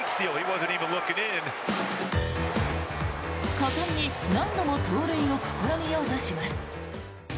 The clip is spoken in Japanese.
果敢に何度も盗塁を試みようとします。